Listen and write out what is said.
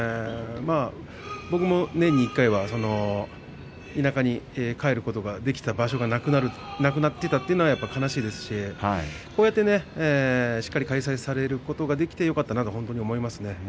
僕も年に１回は田舎に帰ることができた場所がなくなるなくなっていたというのは悲しいですし、こうやってしっかり開催されることができてよかったなと本当に思いますね。